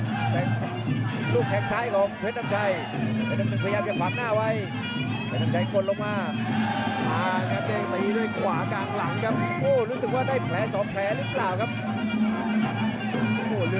แพทย์น้ำตึงพันธุ์สองคู่